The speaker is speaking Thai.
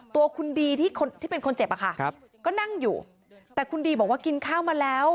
ตัวคุณดีที่คนที่เป็นคนเจ็บอะค่ะก็นั่งอยู่แต่คุณดีบอกว่ากินข้าวมาแล้ว